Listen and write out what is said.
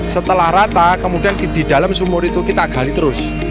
setelah rata kemudian di dalam sumur itu kita gali terus